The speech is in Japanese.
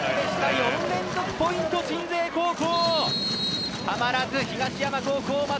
４連続ポイント、鎮西高校。